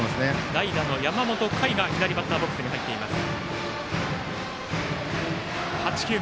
代打の山本海が左バッターボックスに入っています。